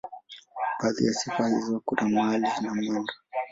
Baadhi ya sifa hizo kuna mahali na mwendo.